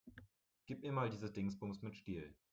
Gib mir mal dieses Dingsbums mit Stiel.